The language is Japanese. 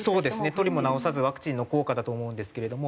取りも直さずワクチンの効果だと思うんですけれども。